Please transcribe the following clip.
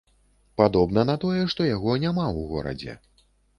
Падобна на тое, што яго няма ў горадзе.